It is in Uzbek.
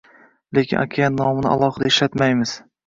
Lekin okean nomini alohida ishlatmaymiz